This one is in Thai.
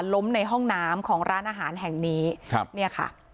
ล้มในห้องน้ำของร้านอาหารแห่งนี้ครับเนี่ยค่ะ